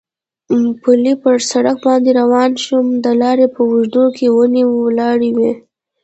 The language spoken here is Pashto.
پلی پر سړک باندې روان شوم، د لارې په اوږدو کې ونې ولاړې وې.